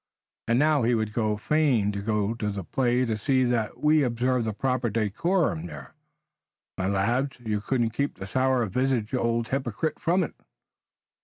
And now he would fain go to the play to see that we observe the proper decorum there. My lads, you couldn't keep the sour visaged old hypocrite from it."